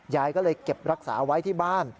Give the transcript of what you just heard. ยายก็เลยเก็บรักษาไว้ที่บ้าน